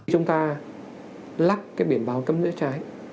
chúng ta lắc cái biển báo cấm rẽ trái